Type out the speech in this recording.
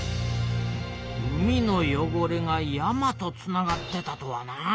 海のよごれが山とつながってたとはな。